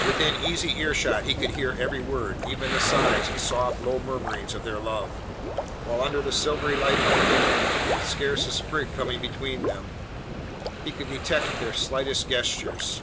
Within easy earshot, he could hear every word even the sighs and soft low murmurings of their love; while under the silvery light of the moon, with scarce a sprig coming between, he could detect their slightest gestures.